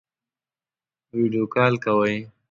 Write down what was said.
ویډیو کال کوئ؟